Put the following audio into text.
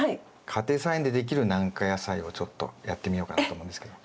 家庭菜園でできる軟化野菜をちょっとやってみようかなと思うんですけど。